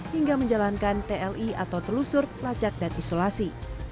hingga menjalankan tli atau telusur lacak dan isolasi